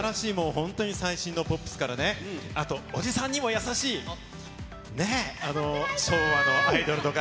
本当に最新のポップスからね、あと、おじさんにも優しい、昭和のアイドルとか。